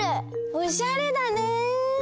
おしゃれだね。